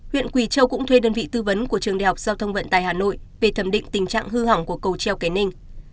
huyện quỳ châu cũng thuê đơn vị tư vấn của trường đại học giao thông vận tài hà nội về thẩm định tình trạng hư hỏng của cầu treo kế ninh